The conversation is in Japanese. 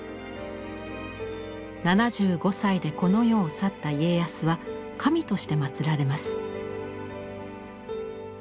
７５歳でこの世を去った家康は神として祭られます。